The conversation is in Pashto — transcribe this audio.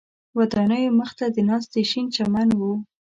ودانیو مخ ته د ناستي شین چمن و.